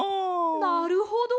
なるほど！